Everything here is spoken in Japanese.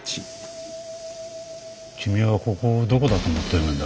君はここをどこだと思ってるんだ。